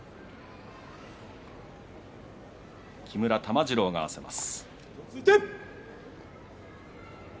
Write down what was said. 木村玉治郎が合わせます。